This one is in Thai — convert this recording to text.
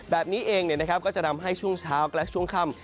แบบนี้เองก็จะทำให้ช่วงเช้าและช่วงค่ำ